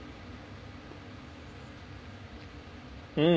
うん。